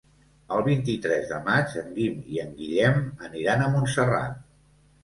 El vint-i-tres de maig en Guim i en Guillem aniran a Montserrat.